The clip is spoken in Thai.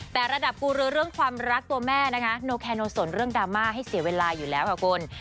แต่ระดับกูเรือเรื่องความรักตัวแม่นะคะโนแคโนสนเรื่องดราม่าให้เสียเวลาอยู่แล้วค่ะคุณ